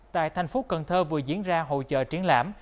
tại thành phố cần thơ vừa diễn ra hội trợ triển lãm